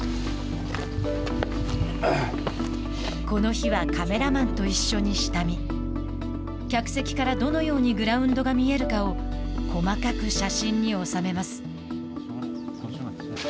この日はカメラマンと一緒に下見客席から、どのようにグラウンドが見えるかを細かく写真に収めます。